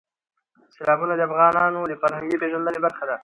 سیلابونه د افغانانو د فرهنګي پیژندنې برخه ده.